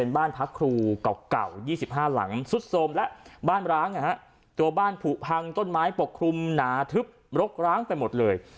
บ้านร้างนะฮะตัวบ้านผูกพังต้นไม้ปกคลุมหนาทึบรกร้างไปหมดเลย